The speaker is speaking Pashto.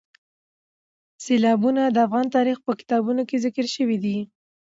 سیلابونه د افغان تاریخ په کتابونو کې ذکر شوي دي.